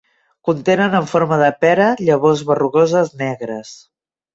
Contenen, en forma de pera, llavors berrugoses negres.